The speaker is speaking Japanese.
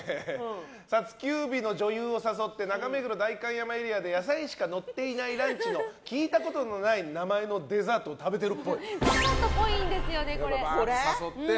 撮休日の女優を誘って中目黒・代官山エリアで野菜しかのっていないランチの聞いたことのない名前のデザートを食べてるっぽい。